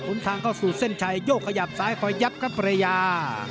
ทางเข้าสู่เส้นชัยโยกขยับซ้ายคอยยับครับภรรยา